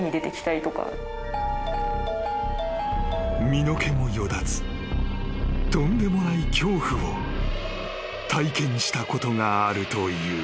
・［身の毛もよだつとんでもない恐怖を体験したことがあるという］